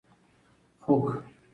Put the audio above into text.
خوګ 🐷